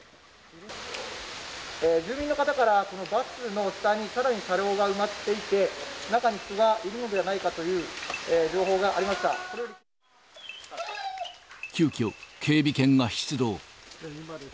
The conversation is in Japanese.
住民の方から、バスの下に、さらに車両が埋まっていて、中に人がいるのではないかという急きょ、警備犬が出動。